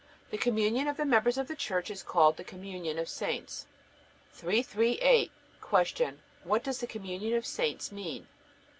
The communion of the members of the Church is called the communion of saints. 338. Q. What does the communion of saints mean?